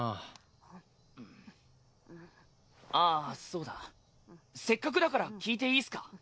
ああそうだせっかくだから聞いていいっすか？